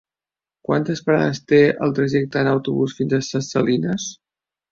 Quantes parades té el trajecte en autobús fins a Ses Salines?